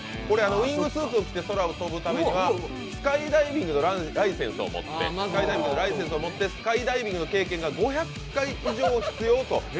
ウイングスーツを着て空を飛ぶためにはスカイダイヒングのライセンスを持ってスカイダイビングの経験が５００回以上必要と。